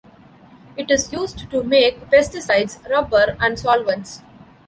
It is used to make pesticides, rubber, and solvents.